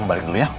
om balik dulu ya